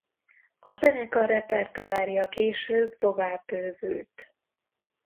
A zenekar repertoárja később tovább bővült.